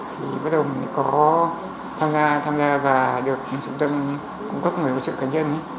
thì bắt đầu mình mới có tham gia tham gia và được trung tâm cung cấp người hỗ trợ cá nhân ấy